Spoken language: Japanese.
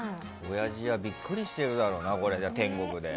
親父はビックリしているだろうな天国で。